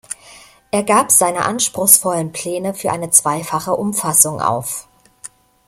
Er gab seine anspruchsvollen Pläne für eine zweifache Umfassung auf.